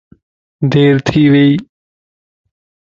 ديرٿي ويئي